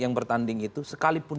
yang bertanding itu sekalipun